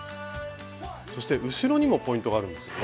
そして後ろにもポイントがあるんですよね。